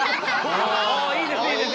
ああいいですいいです。